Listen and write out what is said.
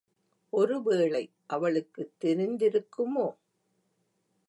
ஒருவேளை அவளுக்குத் தெரிந்திருக்குமோ?